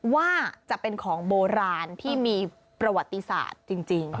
ว่าจะเป็นของโบราณที่มีประวัติศาสตร์จริง